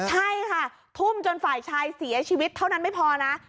ใช่ค่ะทุ่มจนฝ่ายชายเสียชีวิตเท่านั้นไม่พอนะ